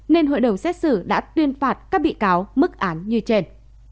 nên hội đồng xét xử đã tuyên phạt các bị cáo mức án như trên